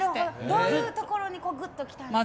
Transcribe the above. どういうところにグッと来たんですか？